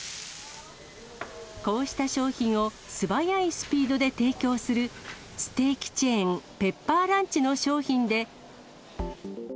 こうした商品を素早いスピードで提供する、ステーキチェーン、ペッパーランチの商品で。